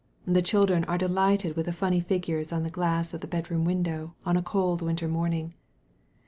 The children are delighted with the funny figures on the glass of the bedroom window on a cold winter morning.